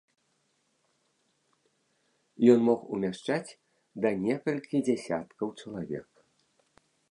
Ён мог умяшчаць да некалькі дзесяткаў чалавек.